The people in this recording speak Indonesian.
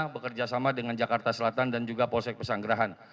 bekerjasama dengan jakarta selatan dan juga polsek pesanggerahan